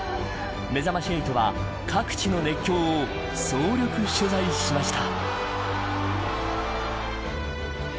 めざまし８は、各地の熱狂を総力取材しました。